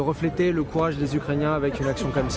untuk mengembangkan keberanian ukraina dengan aksi seperti ini